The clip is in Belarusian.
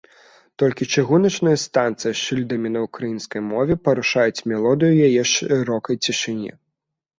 Толькі чыгуначныя станцыі з шыльдамі на ўкраінскай мове парушаюць мелодыю яе шырокай цішыні.